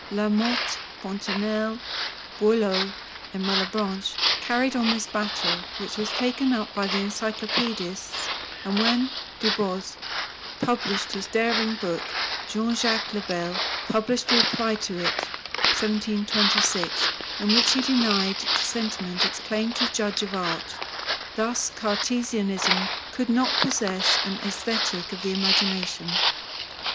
La Motte, Fontenelle, Boileau, and Malebranche carried on this battle, which was taken up by the Encyclopaedists, and when Du Bos published his daring book, Jean Jacques le Bel published a reply to it (1726), in which he denied to sentiment its claim to judge of art. Thus Cartesianism could not possess an Aesthetic of the imagination.